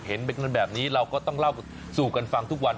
เห็นเป็นแบบนี้เราก็ต้องเล่าสู่กันฟังทุกวัน